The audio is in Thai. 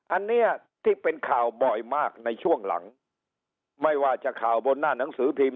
อันนี้ที่เป็นข่าวบ่อยมากในช่วงหลังไม่ว่าจะข่าวบนหน้าหนังสือพิมพ